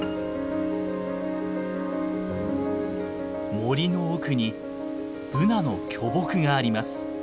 森の奥にブナの巨木があります。